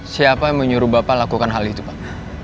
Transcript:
siapa yang menyuruh bapak lakukan hal itu pak